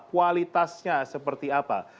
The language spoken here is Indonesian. kualitasnya seperti apa